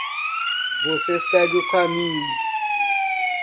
Você segue o caminho